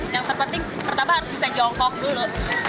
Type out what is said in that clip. yang terpenting pertama harus bisa jongkok dulu